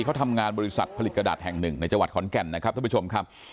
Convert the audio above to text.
เขาทำงานบริษัทผลิตกระดาษแห่งหนึ่งในจังหวัดขอนแก่นนะครับท่านผู้ชมครับ